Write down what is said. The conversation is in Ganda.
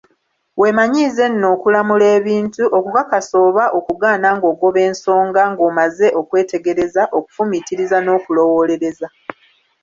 Weemanyiize nno okulamula ebintu, okukakasa oba okugaana ng'ogoba ensonga ng'omaze okwetegereza, okufumitiriza n'okulowoolereza.